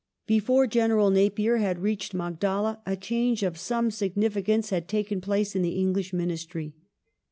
Disraeli Before General Napier had reached Magdala a change of some succeeds significance had taken place in the English Ministry.